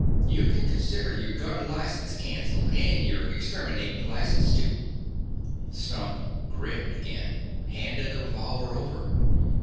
"You can consider your gun license canceled and your exterminatin' license, too." Stump grinned again, handed the revolver over.